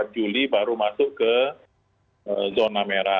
empat juli baru masuk ke zona merah